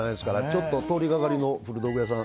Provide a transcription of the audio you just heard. ちょっと通りがかりの古道具屋さん。